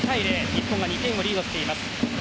日本が２点をリードしています。